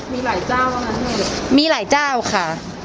มีหลายเจ้ามีหลายเจ้าค่ะ